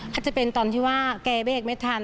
เขาจะเป็นตอนที่ว่าแกเบรกไม่ทัน